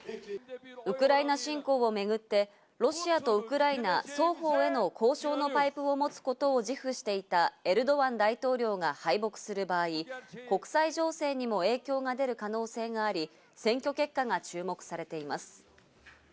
ウクライナ侵攻をめぐって、ロシアとウクライナ双方への交渉のパイプを持つことを自負していたエルドアン大統領が敗北する場合、国際情勢にも影響が出る可能性があり、選挙結果が注目されています。